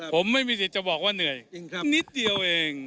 ผมไม่มีสิทธิ์จะบอกว่าเหนื่อยนิดเดียวเอง